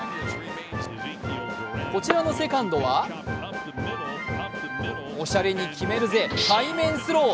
こちらのセカンドは、おしゃれに決めるぜ背面スロー。